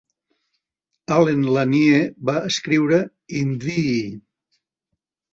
Allen Lanier va escriure "In Thee".